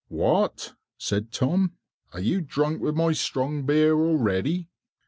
"What," said Tom, "are you drunk with my strong beer already?"